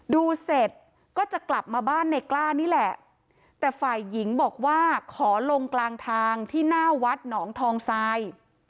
ดูเสร็จก็จะกลับมาบ้านในกล้านี่แหละแต่ฝ่ายหญิงบอกว่าขอลงกลางทางที่หน้าวัดหนองทองทราย